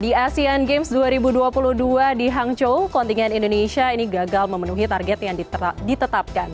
di asean games dua ribu dua puluh dua di hangzhou kontingen indonesia ini gagal memenuhi target yang ditetapkan